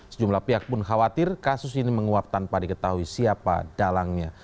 sejumlah pihak pun khawatir kasus ini menguap tanpa diketahui siapa dalangnya